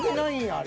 あれ。